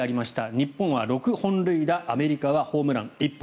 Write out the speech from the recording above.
日本は６本塁打アメリカはホームラン１本。